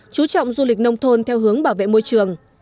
chú trọng du lịch nông thôn theo hướng bảo vệ môi trường